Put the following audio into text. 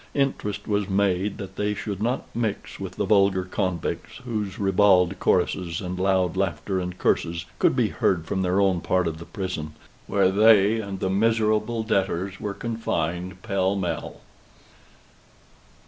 Interest was made that they should not mix with the vulgar convicts, whose ribald choruses and loud laughter and curses could be heard from their own part of the prison, where they and the miserable debtors were confined pell mell.